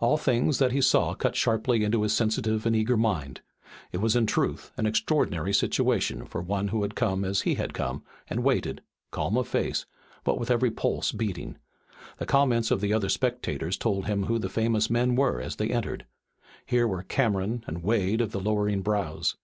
All things that he saw cut sharply into his sensitive and eager mind. It was in truth an extraordinary situation for one who had come as he had come, and he waited, calm of face, but with every pulse beating. The comments of the other spectators told him who the famous men were as they entered. Here were Cameron and Wade of the lowering brows.